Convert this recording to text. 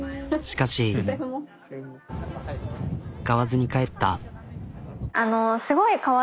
しかし買わずに帰った。